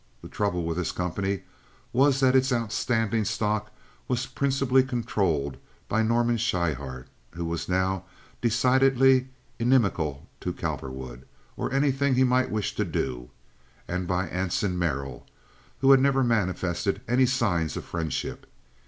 The trouble with this company was that its outstanding stock was principally controlled by Norman Schryhart, who was now decidedly inimical to Cowperwood, or anything he might wish to do, and by Anson Merrill, who had never manifested any signs of friendship.